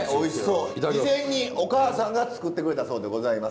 事前にお母さんが作ってくれたそうでございます。